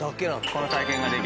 この体験ができるのは。